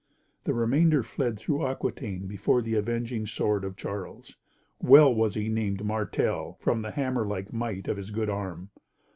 The remainder fled through Aquitaine before the avenging sword of Charles. Well was he named "Martel," from the hammer like might of his good arm!